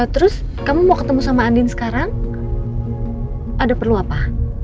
terus kamu mau ketemu sama andin sekarang ada perlu apa